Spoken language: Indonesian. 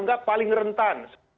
yang dianggap paling rentan